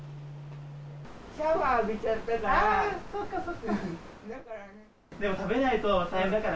シャワー浴びちゃったから。